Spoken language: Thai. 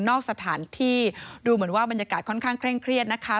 สถานที่ดูเหมือนว่าบรรยากาศค่อนข้างเคร่งเครียดนะคะ